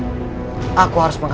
dan saya akan mencari dia